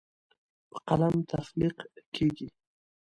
په قلم تخلیق کیږي.